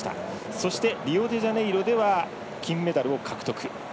そして、リオデジャネイロでは金メダルを獲得。